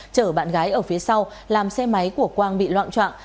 chở bạn gái ở phía sau làm xe máy của quang bị loạn trọng